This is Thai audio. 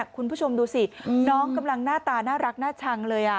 คุณผู้ชมดูสิน้องกำลังหน้าตาน่ารักน่าชังเลย